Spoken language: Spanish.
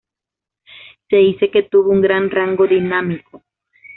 Se dice que tuvo un gran rango dinámico.